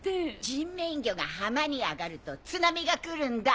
人面魚が浜にあがると津波が来るんだ